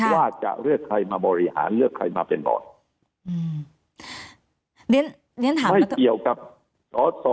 ว่าจะเลือกใครมาบริหารเลือกใครมาเป็นบอส